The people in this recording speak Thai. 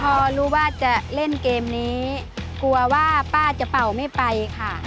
พอรู้ว่าจะเล่นเกมนี้กลัวว่าป้าจะเป่าไม่ไปค่ะ